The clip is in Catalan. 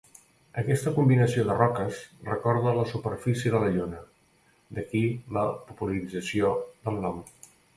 Aquesta combinació de roques, recorda la superfície de la lluna, d’aquí la popularització del nom.